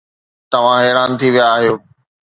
توهان حيران ٿي ويا آهيو.